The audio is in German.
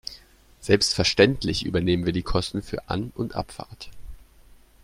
Selbstverständlich übernehmen wir die Kosten für An- und Abfahrt.